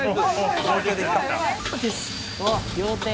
両手」